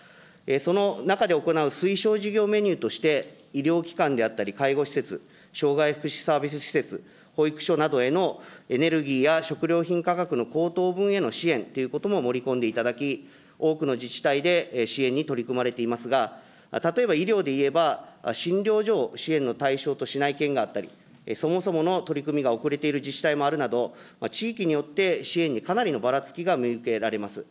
その中で行う推奨事業メニューとして、医療機関であったり介護施設、障害福祉サービス施設、保育所などへのエネルギーや食料品価格の高騰分への支援ということも盛り込んでいただき、多くの自治体で支援に取り組まれていますが、例えば医療で言えば、診療所を支援の対象としない県があったり、そもそもの取り組みが遅れている自治体があるなど、地域によって、支援にかなりのばらつきが見受けられます。